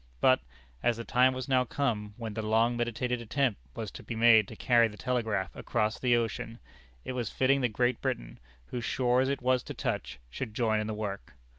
But, as the time was now come when the long meditated attempt was to be made to carry the Telegraph across the ocean, it was fitting that Great Britain, whose shores it was to touch, should join in the work.